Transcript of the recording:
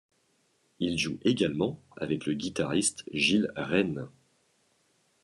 Il joue également avec le guitariste Gilles Renne.